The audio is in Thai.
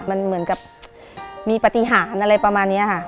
มันเหมือนกับมีปฏิหารอะไรประมาณนี้ค่ะ